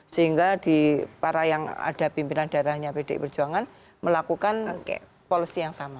sehingga di para yang ada pimpinan daerahnya pdi perjuangan melakukan policy yang sama